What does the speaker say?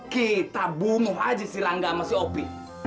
kita bumuh aja si rangga sama si opi